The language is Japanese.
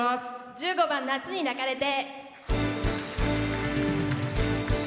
１５番「夏に抱かれて」。